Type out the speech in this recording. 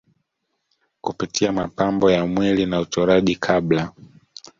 kupitia mapambo ya mwili na uchoraji Kabla